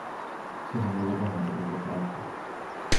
Сьогодні забагато було праці.